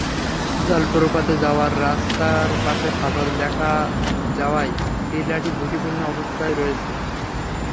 জলপ্রপাতে যাওয়ার রাস্তার পাশে ফাটল দেখা দেওয়ায় টিলাটি ঝুঁকিপূর্ণ অবস্থায় রয়েছে।